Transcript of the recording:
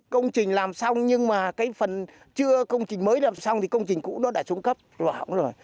công trình làm xong nhưng mà cái phần chưa công trình mới làm xong thì công trình cũ nó đã xuống cấp rõ rồi